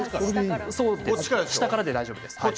下からで大丈夫ですよ。